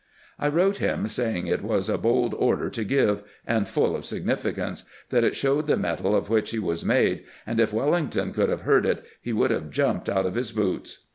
I wrote him, saying it was a bold order to give, and full of significance ; that it showed the mettle of which he was made, and if Wellington could have heard it he would have jumped out of his boots.